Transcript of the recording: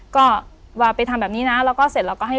ก็ว่าไปทำแบบนี้นะแล้วก็เสร็จเราก็ให้